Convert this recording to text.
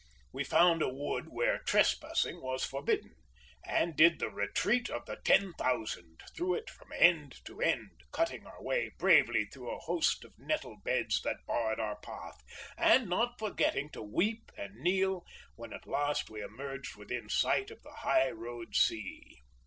We found a wood where "Trespassing" was forbidden, and did the "Retreat of the Ten Thousand" through it from end to end, cutting our way bravely through a host of nettle beds that barred our path, and not forgetting to weep and kneel when at last we emerged within sight of the High Road Sea.